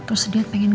terus dia pengen